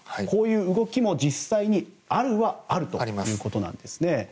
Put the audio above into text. こういう動きも実際にあるはあるということなんです。